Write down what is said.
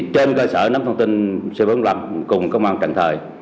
trên cơ sở nắm thông tin c bốn mươi năm cùng công an cần thời